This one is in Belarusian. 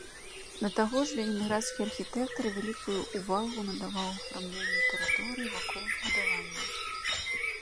Да таго ж ленінградскі архітэктар вялікую ўвагу надаваў афармленню тэрыторыі вакол збудавання.